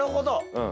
うん。